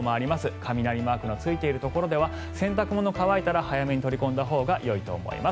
雷マークのついているところでは洗濯物を干しているところは早めに取り込んだほうがよいと思います。